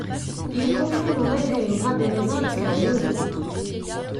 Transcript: Il confond mon maître et une grappe de raisin jusqu'à la nausée.